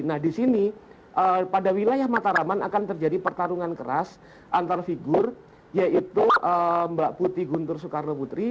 nah di sini pada wilayah mataraman akan terjadi pertarungan keras antar figur yaitu mbak putih guntur soekarno putri